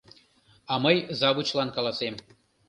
А мый завучлан каласем.